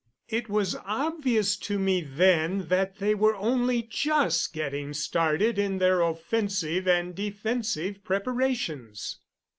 It was obvious to me then that they were only just getting started in their offensive and defensive preparations.